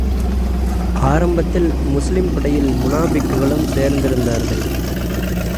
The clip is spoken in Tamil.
ஆரம்பத்தில், முஸ்லிம் படையில் முனாபிக்குகளும் சேர்ந்திருந்தார்கள்.